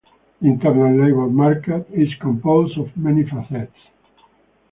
The internal labor market is composed of many facets.